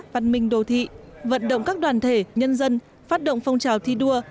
văn minh đô thị vận động các đoàn thể nhân dân phát động phong trào thi đua